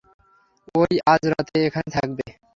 ও-ই আজ রাতে এখানে থাকবে।